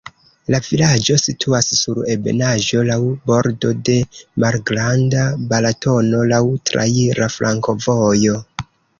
La vilaĝo situas sur ebenaĵo, laŭ bordo de Malgranda Balatono, laŭ traira flankovojo.